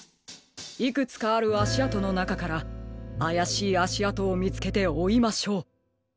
いくつかあるあしあとのなかからあやしいあしあとをみつけておいましょう。